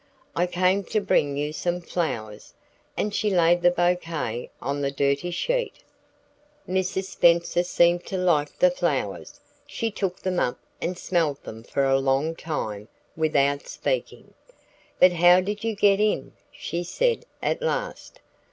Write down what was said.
"I came to bring you some flowers." And she laid the bouquet on the dirty sheet. Mrs. Spenser seemed to like the flowers. She took them up and smelled them for a long time, without speaking. "But how did you get in?" she said at last.